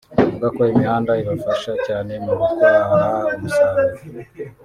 avuga ko iyi mihanda ibafasha cyane mu gutwara umusaruro